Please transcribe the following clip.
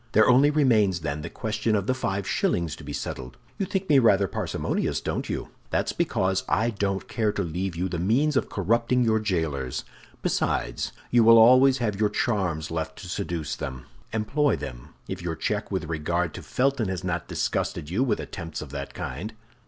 There only remains, then, the question of the five shillings to be settled. You think me rather parsimonious, don't you? That's because I don't care to leave you the means of corrupting your jailers. Besides, you will always have your charms left to seduce them with. Employ them, if your check with regard to Felton has not disgusted you with attempts of that kind."